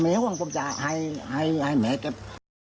เม๋ห่วงโภจารย์ให้แม่เก็บ